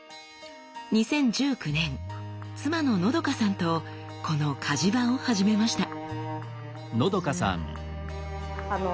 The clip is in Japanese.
２０１９年妻ののどかさんとこの鍛冶場を始めました。